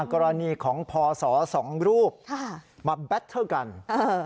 กรณีของพอสอสองรูปมาแบทเทอร์กันเออ